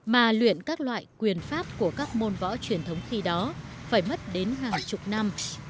mà luyện các loại quyền pháp của các môn võ truyền thống khi đó phải mất đến hàng chục năm